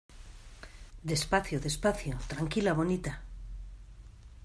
despacio. despacio . tranquila, bonita .